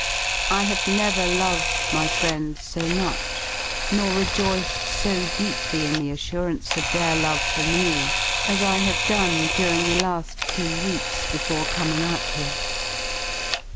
I have never loved my friends so much, nor rejoiced so deeply in the assurance of their love for me, as I have done during the la^ few weeks before coming out here.